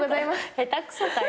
下手くそかよ。